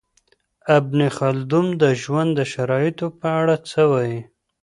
ابن خلدون د ژوند د شرایطو په اړه څه وايي؟